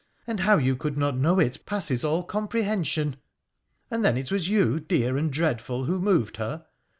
And how you could not know it passes all comprehension.' ' And then it was you, dear and dreadful, who moved her?